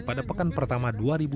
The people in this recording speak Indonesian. pada pekan pertama dua ribu dua puluh